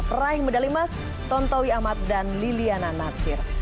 peraih medali emas tontowi ahmad dan liliana natsir